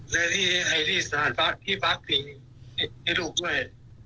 และให้ที่สถานที่พักถึงให้ลูกด้วย